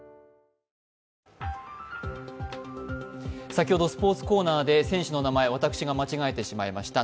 先ほど、スポーツコーナーで選手の名前、私が間違えてしまいました。